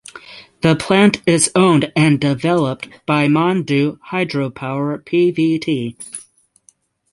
The plant is owned and developed by Mandu Hydropower Pvt.